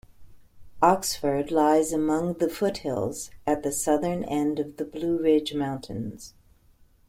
Oxford lies among the foothills at the southern end of the Blue Ridge Mountains.